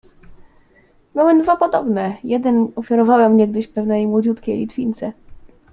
"Miałem dwa podobne, jeden ofiarowałem niegdyś pewnej młodziutkiej Litwince."